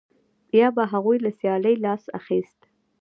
یا به هغوی له سیالۍ لاس اخیست